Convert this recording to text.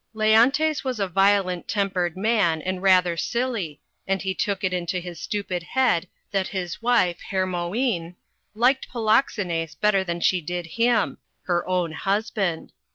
Leontes wis a violent tempered man and rather silly, and he took it into his stupid head that his wife, Hermione, liked Polixenes better than she did him, her own husband.